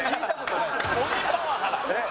鬼パワハラ。